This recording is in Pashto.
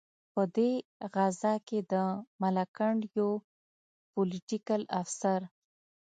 په دې غزا کې د ملکنډ یو پلوټیکل افسر.